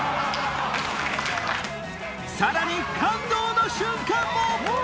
さらに感動の瞬間も！